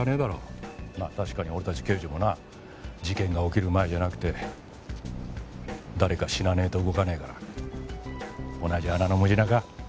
まあ確かに俺たち刑事もな事件が起きる前じゃなくて誰か死なねえと動かねえから同じ穴の狢か。